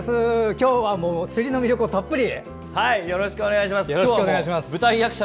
今日は釣りの魅力をたっぷり。